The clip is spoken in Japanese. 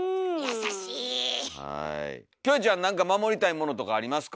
優しい！キョエちゃん何か守りたいものとかありますか？